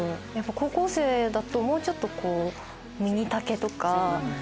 高校生だともうちょっとこうミニ丈とか。